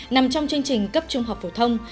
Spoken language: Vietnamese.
nằm trong chương trình cấp trung học phổ thông